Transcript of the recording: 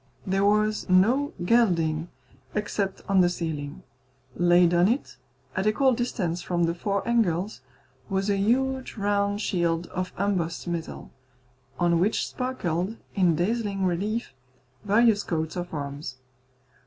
There was no gilding, except on the ceiling. Laid on it, at equal distance from the four angles, was a huge round shield of embossed metal, on which sparkled, in dazzling relief, various coats of arms.